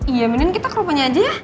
iya mending kita kerupanya aja ya